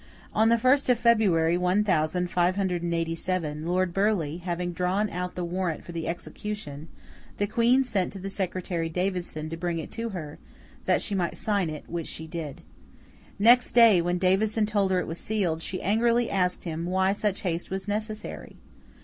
On the first of February, one thousand five hundred and eighty seven, Lord Burleigh having drawn out the warrant for the execution, the Queen sent to the secretary Davison to bring it to her, that she might sign it: which she did. Next day, when Davison told her it was sealed, she angrily asked him why such haste was necessary?